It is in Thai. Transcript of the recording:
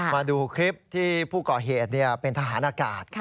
มาดูคลิปที่ผู้ก่อเหตุเป็นทหารอากาศ